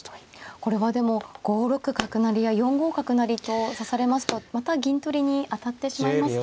これはでも５六角成や４五角成と指されますとまた銀取りに当たってしまいますね。